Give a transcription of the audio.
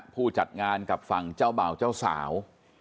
ผู้จัดงานกับฝั่งเจ้าบ่าวเจ้าสาว